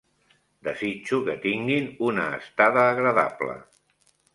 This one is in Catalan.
Desitjo que tinguin una estada agradable.